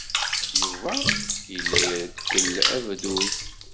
Yuba yella ireggel abduz.